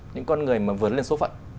những con người mà vượt lên số phận